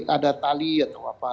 ada tali atau apa